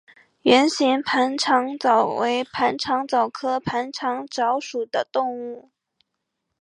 圆形盘肠蚤为盘肠蚤科盘肠蚤属的动物。